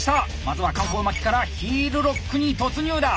まずは環行巻きからヒールロックに突入だ！